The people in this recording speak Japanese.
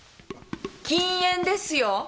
禁煙ですよ！